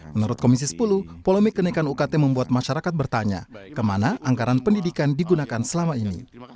menurut komisi sepuluh polemik kenaikan ukt membuat masyarakat bertanya kemana anggaran pendidikan digunakan selama ini